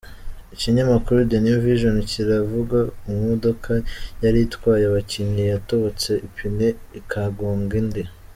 Ikinyamakuru The New Vision kiravuga imodoka yari itwaye abakinnyi yatobotse ipine ikagonga indi.